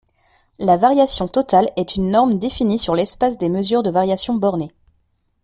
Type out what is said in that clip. La variation totale est une norme définie sur l'espace des mesures de variation bornée.